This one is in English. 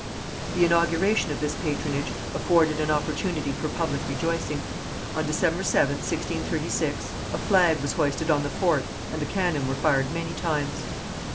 The inauguration of this patronage afforded an opportunity for public rejoicing. On December 7th, 1636, a flag was hoisted on the fort and the cannon were fired many times.